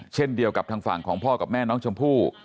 เช่นเดียวกับทางฝั่งของพ่อกับแม่น้องชมพู่